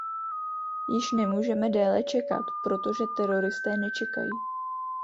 Již nemůžeme déle čekat, protože teroristé nečekají.